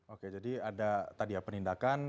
oke jadi ada tadi ya penindakan